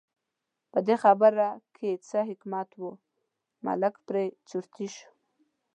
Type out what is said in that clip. په دې خبره کې څه حکمت و، ملک پرې چرتي شو.